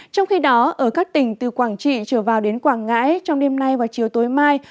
trong khi đó ở các tỉnh từ quảng trị trở vào đến quảng ngãi trong đêm nay và chiều tối mai